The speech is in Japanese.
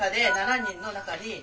７人の中に。